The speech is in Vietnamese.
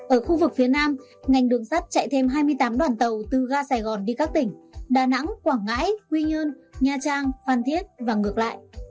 ở khu vực phía nam ngành đường sắt chạy thêm hai mươi tám đoàn tàu từ ga sài gòn đi các tỉnh đà nẵng quảng ngãi quy nhơn nha trang phan thiết và ngược lại